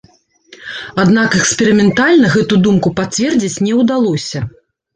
Аднак эксперыментальна гэту думку пацвердзіць не ўдалося.